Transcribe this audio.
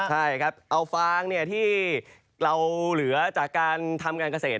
ใช่ครับเอาฟางที่เราเหลือจากการทำการเกษตร